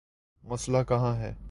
مسئلہ کہاں ہے؟